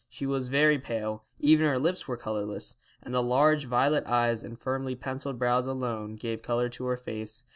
She was very pale, even her lips were colourless, and the large violet eyes and firmly pencilled brows alone gave colour to her face.